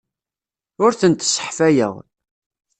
Ur tent-sseḥfayeɣ.